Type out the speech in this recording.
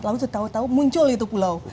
lalu setahu tahu muncul itu pulau